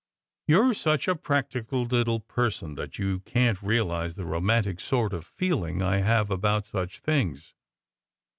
You re such a practical little person that you can t realize the romantic sort of feeling I have about such things.